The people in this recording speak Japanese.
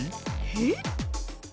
えっ？